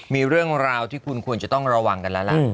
มีเรื่องราวที่คุณควรจะต้องระวังกันแล้วล่ะ